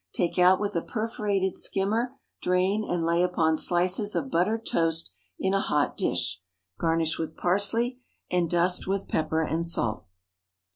Take out with a perforated skimmer, drain, and lay upon slices of buttered toast in a hot dish. Garnish with parsley, and dust with pepper and salt.